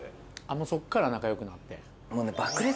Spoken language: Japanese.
そっから仲良くなって。